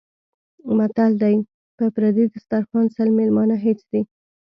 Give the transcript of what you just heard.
متل دی: په پردي دسترخوان سل مېلمانه هېڅ دي.